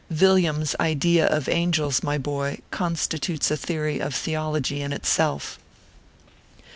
" Villiam s idea of angels, my boy, constitutes a theory of theology in itself.